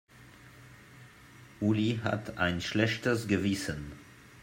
Uli hat ein schlechtes Gewissen.